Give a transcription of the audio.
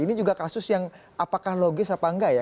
ini juga kasus yang apakah logis atau nggak ya